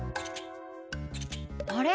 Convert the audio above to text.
あれ？